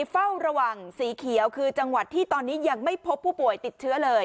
เฝ้าระวังสีเขียวคือจังหวัดที่ตอนนี้ยังไม่พบผู้ป่วยติดเชื้อเลย